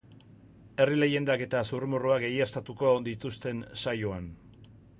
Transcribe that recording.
Herri leiendak eta zurrumurruak egiaztatuko dituzte saioan.